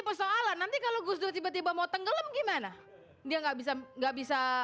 persoalan nanti kalau gus dur tiba tiba mau tenggelam gimana dia nggak bisa nggak bisa